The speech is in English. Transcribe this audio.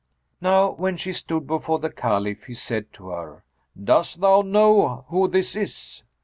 Now when she stood before the Caliph he said to her, "Doss thou know who this is?"